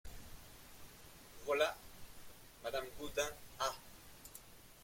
Voilà ! madame gaudin Ah !